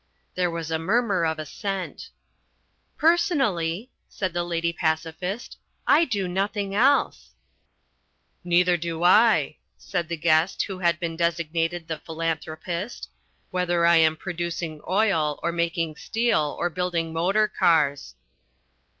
There was a murmur of assent. "Personally," said The Lady Pacifist, "I do nothing else." "Neither do I," said the guest who has been designated The Philanthropist, "whether I am producing oil, or making steel, or building motor cars."